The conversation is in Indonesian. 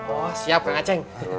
oh siap kang a ceng